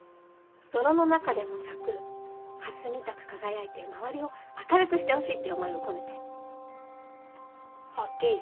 泥の中でも咲く蓮みたく輝いて周りを明るくしてほしいって思いを込めて。